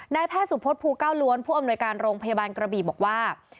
แพทย์สุพธภูเก้าล้วนผู้อำนวยการโรงพยาบาลกระบี่บอกว่า